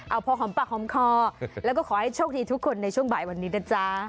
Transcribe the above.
เอาพอหอมปากหอมคอแล้วก็ขอให้โชคดีทุกคนในช่วงบ่ายวันนี้นะจ๊ะ